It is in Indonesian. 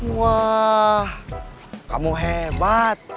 wah kamu hebat